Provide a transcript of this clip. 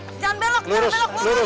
sampai jumpa di video selanjutnya